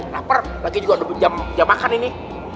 lapar lagi juga udah jam makan ini